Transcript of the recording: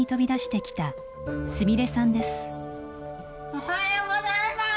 おはようございます。